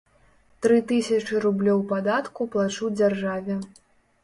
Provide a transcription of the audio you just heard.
Тры тысячы рублёў падатку плачу дзяржаве.